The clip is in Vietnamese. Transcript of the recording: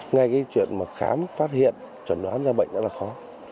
ngay cái chuyện mà khám phát hiện chuẩn đoán ra bệnh đã là khó